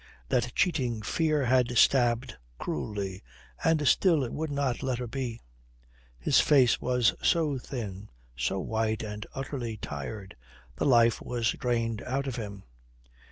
That cheating fear had stabbed cruelly, and still it would not let her be. His face was so thin, so white and utterly tired. The life was drained out of him....